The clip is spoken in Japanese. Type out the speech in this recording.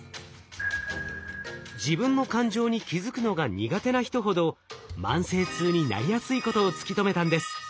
自分の感情に気づくのが苦手な人ほど慢性痛になりやすいことを突き止めたんです。